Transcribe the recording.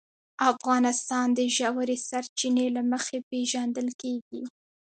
افغانستان د ژورې سرچینې له مخې پېژندل کېږي.